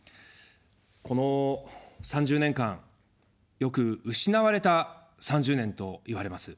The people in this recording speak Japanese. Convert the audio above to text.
この３０年間、よく失われた３０年といわれます。